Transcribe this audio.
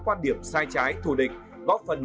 quan điểm sai trái thù địch góp phần